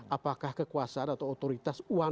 apakah kekuasaan atau otoritas uang